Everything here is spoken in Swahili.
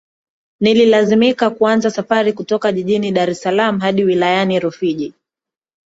Nililazimika kuanza safari kutoka jijini Dar es Salaam hadi wilayani Rufiji